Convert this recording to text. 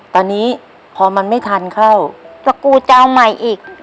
ตอนนี้พอมันไม่ทันเข้าสกูจะเอาใหม่อีก